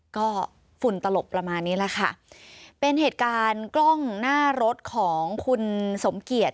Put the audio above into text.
ก็ฝุ่นตลบประมาณนี้แหละค่ะเป็นเหตุการณ์กล้องหน้ารถของคุณสมเกียจ